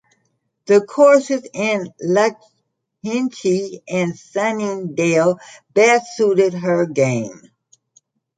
The courses in Lahinch and Sunningdale best suited her game.